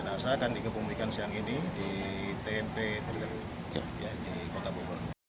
jenazah akan dikebumikan siang ini di tmp derdek di kota bogor rabu